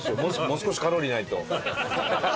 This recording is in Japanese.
もう少しカロリーないと！